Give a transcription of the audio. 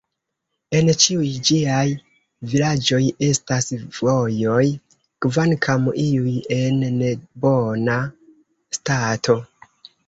En ĉiuj ĝiaj vilaĝoj estas vojoj, kvankam iuj en nebona stato.